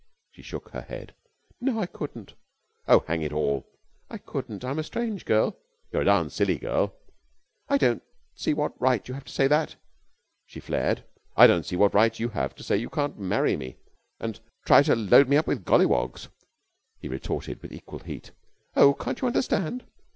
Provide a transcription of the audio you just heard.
She shook her head. "No, I couldn't." "Oh, hang it all!" "I couldn't. I'm a strange girl...." "You're a darned silly girl...." "I don't see what right you have to say that," she flared. "I don't see what right you have to say you can't marry me and try to load me up with golliwogs," he retorted with equal heat. "Oh, can't you understand?"